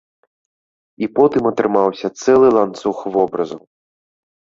І потым атрымаўся цэлы ланцуг вобразаў.